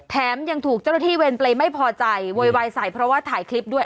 แถมยังถูกเจ้าหน้าที่เวรเปรย์ไม่พอใจโวยวายใส่เพราะว่าถ่ายคลิปด้วย